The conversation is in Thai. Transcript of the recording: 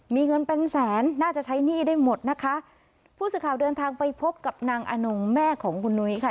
มีเงินเป็นแสนน่าจะใช้หนี้ได้หมดนะคะผู้สื่อข่าวเดินทางไปพบกับนางอนงแม่ของคุณนุ้ยค่ะ